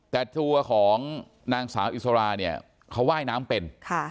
แต่ถั่วของนางสาวอีสราเขาว่ายน้ำเป็น